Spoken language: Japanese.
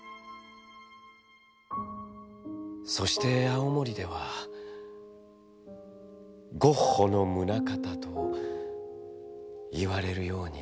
「そして青森では『ゴッホのムナカタ』といわれるようになっていました」。